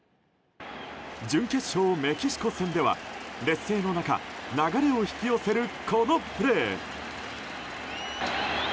準決勝メキシコ戦では劣勢の中、流れを引き寄せるこのプレー！